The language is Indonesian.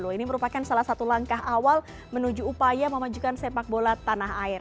ini merupakan salah satu langkah awal menuju upaya memajukan sepak bola tanah air